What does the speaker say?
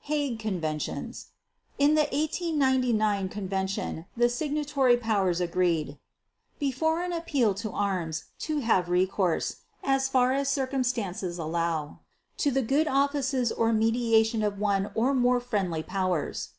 Hague Conventions In the 1899 Convention the signatory powers agreed: "before an appeal to arms ... to have recourse, as far as circumstances allow, to the good offices or mediation of one or more friendly powers."